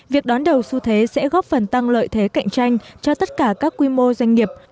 việc đón đầu xu thế sẽ góp phần tăng lợi thế cạnh tranh cho tất cả các quy mô doanh nghiệp